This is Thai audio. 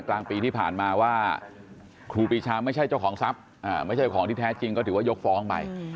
กลางปีที่ผ่านมาว่าครูปีชาไม่ใช่เจ้าของทรัพย์ไม่ใช่ของที่แท้จริงก็ถือว่ายกฟ้องไป